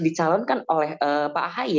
dicalonkan oleh pak ahy